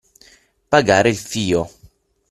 Pagare il fio.